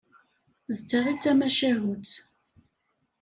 D ta i d-tamacahut.